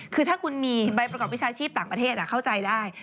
คือถ้าคุณมีใบประกอบวิชาชีพต่างประเทศเข้าใจได้